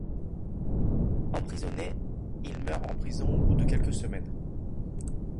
Emprisonné, il meurt en prison au bout de quelques semaines.